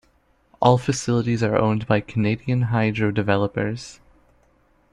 All facilities are owned by Canadian Hydro Developers.